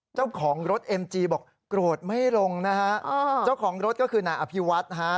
เจ้าของรถเอ็มจีบอกโกรธไม่ลงนะฮะเจ้าของรถก็คือนายอภิวัฒน์ฮะ